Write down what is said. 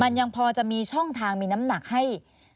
มันยังพอจะมีช่องทางมีน้ำหนักให้